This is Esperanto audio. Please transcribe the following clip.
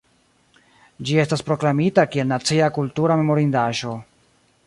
Ĝi estas proklamita kiel Nacia kultura memorindaĵo.